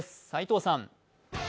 齋藤さん。